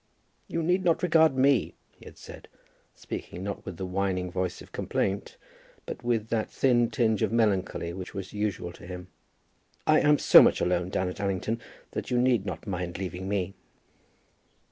"You need not regard me," he had said, speaking not with the whining voice of complaint, but with that thin tinge of melancholy which was usual to him. "I am so much alone down at Allington, that you need not mind leaving me."